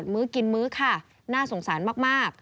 มื้อกินมื้อค่ะน่าสงสารมาก